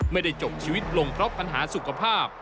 ไม่ได้จบชีวิตลงเพราะปัญหาสุขภาพ